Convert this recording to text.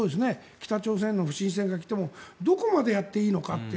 北朝鮮の不審船が来てもどこまでやっていいのかって。